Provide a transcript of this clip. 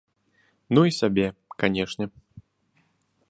Ну і сябе, канешне.